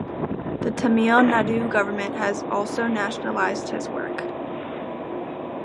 The Tamil Nadu government has also nationalised his works.